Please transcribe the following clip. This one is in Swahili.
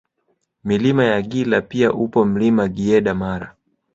Milima ya Gila pia upo Mlima Giyeda Mara